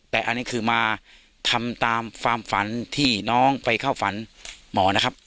แต่อันนี้คือมาทำตามความฝันที่น้องไปเข้าฝันหมอนะครับ